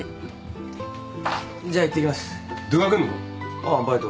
ああバイト。